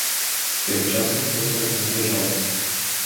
Тим часом постать наближалась.